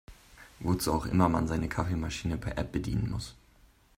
Wozu auch immer man seine Kaffeemaschine per App bedienen muss.